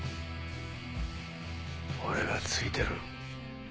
俺がついてる。